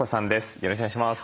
よろしくお願いします。